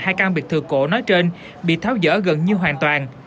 các căn biệt thự cổ nói trên bị tháo dỡ gần như hoàn toàn